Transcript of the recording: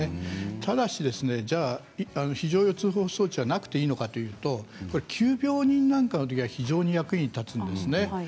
ただ非常用通報装置がなくていいのかというと急病人のときなどは非常に役に立つんですね。